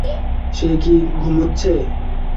সে কি ঘুমুচ্ছে?